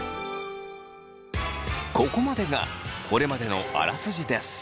ここまでがこれまでのあらすじです。